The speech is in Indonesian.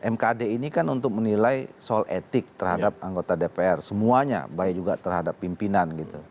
mkd ini kan untuk menilai soal etik terhadap anggota dpr semuanya baik juga terhadap pimpinan gitu